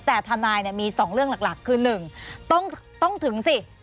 แต่ท่านายเนี่ยมีสองเรื่องหลักคือหนึ่งต้องต้องถึงสิ